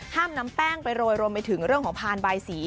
ห้ามนำแป้งไปโรยรวมไปถึงเรื่องของพานใบสี